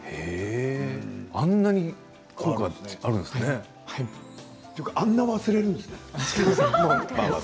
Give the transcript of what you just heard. あんなに効果があるんですね。というかあんなに忘れるんですね。